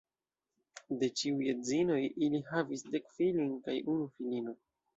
De ĉiuj edzinoj ili havis dek filojn kaj unu filino.